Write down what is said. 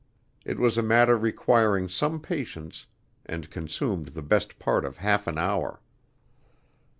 It was a matter requiring some patience, and consumed the best part of half an hour.